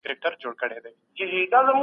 د نفوذ خاوندانو هم احتکار ته مخه کړه.